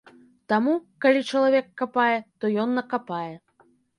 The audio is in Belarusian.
Таму, калі чалавек капае, то ён накапае.